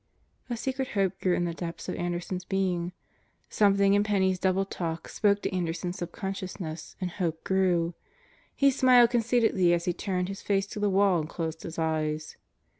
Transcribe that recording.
A secret hope grew in the depths of Anderson's being. Something in Penney's double talk spoke to Anderson's subconscious and hope grew. He smiled conceitedly as he turned his face to the wall and closed his eyes.